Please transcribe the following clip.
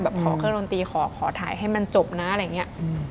ขอเครื่องดนตรีขอถ่ายให้มันจบนะอะไรอย่างนี้